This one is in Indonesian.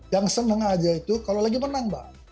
yang seneng aja itu kalau lagi menang mbak